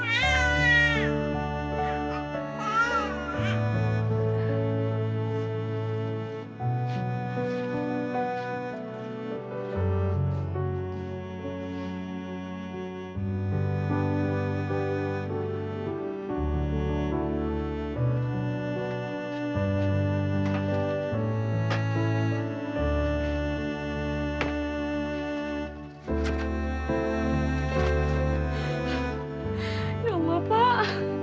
ya allah pak